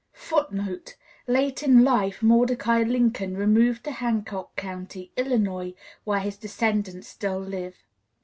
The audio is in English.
[Footnote: Late in life Mordecai Lincoln removed to Hancock County, Illinois, where his descendants still live.